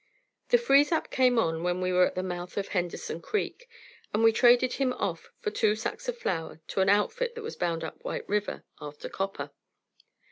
The freeze up came on when we were at the mouth of Henderson Creek, and we traded him off for two sacks of flour to an outfit that was bound up White River after copper.